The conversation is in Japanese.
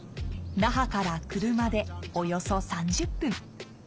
那覇から車でおよそ３０分。